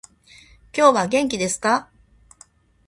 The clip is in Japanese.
今日は元気ですか？